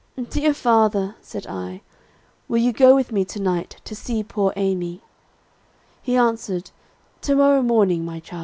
"'Dear father,' said I, 'will you go with me to night to see poor Amy?' "He answered, 'To morrow morning, my child.'